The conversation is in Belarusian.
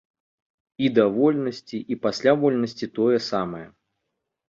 І да вольнасці, і пасля вольнасці тое самае.